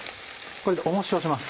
これで重しをします。